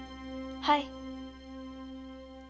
はい。